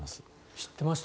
知ってました？